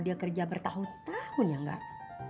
dia kerja bertahun tahun ya enggak